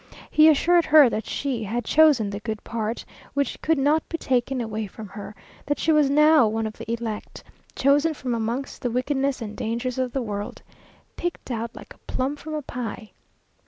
He assured her that she "had chosen the good part, which could not be taken away from her;" that she was now one of the elect, "chosen from amongst the wickedness and dangers of the world;" (picked out like a plum from a pie).